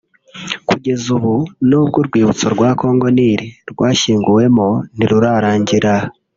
kugeza ubu n’ubwo urwibutso rwa Congo Nil rwashyinguwemo ntirurarangira